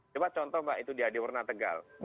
coba contoh mbak itu di adiwarna tegal